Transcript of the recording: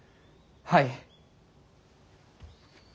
はい。